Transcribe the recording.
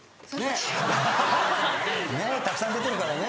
たくさん出てるからね。